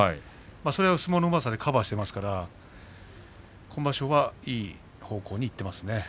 それを相撲のうまさでカバーしていますから今場所はいい方向にいっていますね。